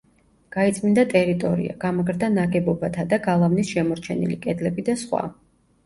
გაიწმინდა ტერიტორია, გამაგრდა ნაგებობათა და გალავნის შემორჩენილი კედლები და სხვა.